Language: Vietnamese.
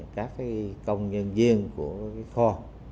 các công nhân viên của kho